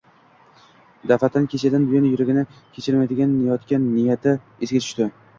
Dafʼatan kechadan buyon yuragini kemirayotgan niya-ti esiga tushdi